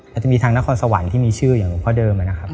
แล้วจะมีทางนครสวรรค์ที่มีชื่ออย่างพ่อเดิมนะครับ